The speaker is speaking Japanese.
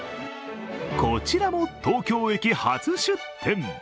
こちらも東京駅、初出店。